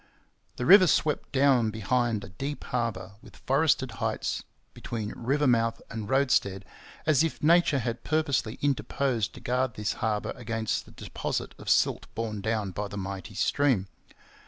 The river swept down behind a deep harbour, with forested heights between river mouth and roadstead, as if nature had purposely interposed to guard this harbour against the deposit of silt borne down by the mighty stream.